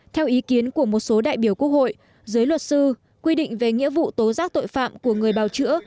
theo ý kiến của một số đại biểu quốc hội dưới luật sư quy định về nghĩa vụ tố giác tội phạm của người bào chữa